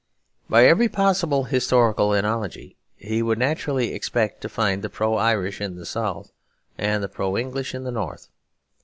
By every possible historical analogy, he would naturally expect to find the pro Irish in the South and the pro English in the North.